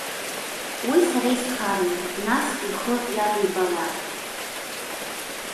Уи сара исхарам, нас, ихы иавибалааит.